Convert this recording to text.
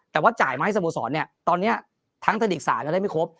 แต่ว่าจ่ายมาให้สโมสรเนี่ยตอนนี้ทั้งทดิกษาจะได้ไม่ครบ